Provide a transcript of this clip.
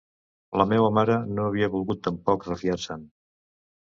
La meua mare no havia volgut tampoc refiar-se'n...